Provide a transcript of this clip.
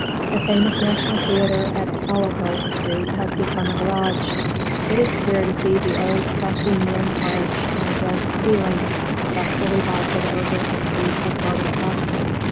The famous National Theatre at Callowhill Street has become a garage; it is queer to see the old proscenium arch and gilded ceiling dustily vaulted over a fleet of motortrucks.